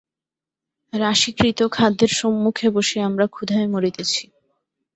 রাশীকৃত খাদ্যের সম্মুখে বসিয়া আমরা ক্ষুধায় মরিতেছি।